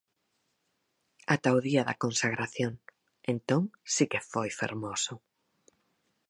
Ata o día da consagración, entón si que foi fermoso.